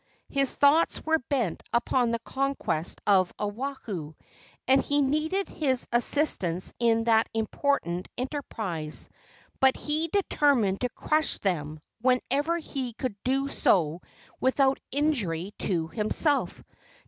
His thoughts were bent upon the conquest of Oahu, and he needed his assistance in that important enterprise; but he determined to crush him whenever he could do so without injury to himself.